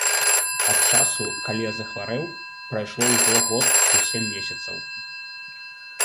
Ад часу, калі я захварэў, прайшло ўжо год і сем месяцаў.